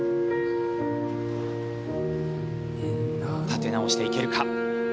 立て直していけるか。